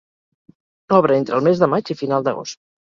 Obre entre el mes de maig i final d'agost.